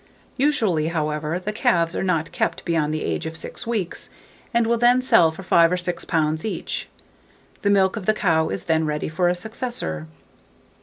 Usually, however, the calves are not kept beyond the age of 6 weeks, and will then sell for 5 or 6 pounds each: the milk of the cow is then ready for a successor.